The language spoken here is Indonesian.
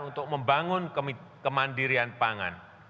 untuk membangun kemandirian pangan